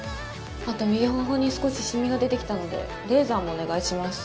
あと右頬に少しシミが出てきたのでレーザーもお願いします。